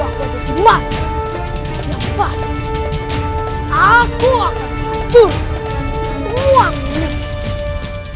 aku akan mencuri semua milik